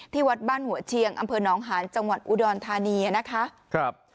วัดบ้านหัวเชียงอำเภอน้องหานจังหวัดอุดรธานีนะคะครับ